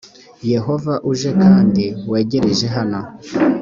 yehova uje kandi wegereje hano